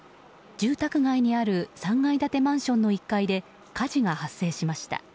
住宅街にある３階建てマンションの１階で火事が発生しました。